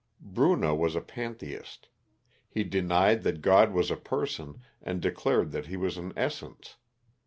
Bruno was a Pantheist. He denied that God was a person, and declared that he was an essence.